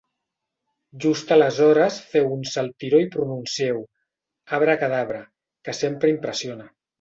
Just aleshores féu un saltiró i pronuncieu "abracadara", que sempre impressiona.